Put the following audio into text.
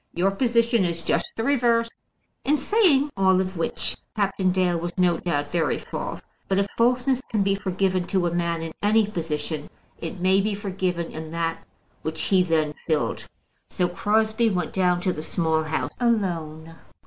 Your position is just the reverse." In saying all which Captain Dale was no doubt very false; but if falseness can be forgiven to a man in any position, it may be forgiven in that which he then filled. So Crosbie went down to the Small House alone.